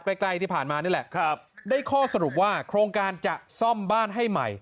ใกล้ที่ผ่านมานี่แหละครับได้ข้อสรุปว่าโครงการจะซ่อมบ้านให้ใหม่